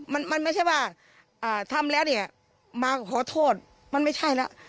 มันมันไม่ใช่ว่าอ่าทำแล้วเนี่ยมาขอโทษมันไม่ใช่แล้ว